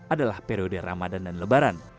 adalah periode ramadan dan lebaran